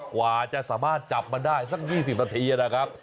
กว่าจะสามารถจับมันได้สัก๒๐นาทีนะครับ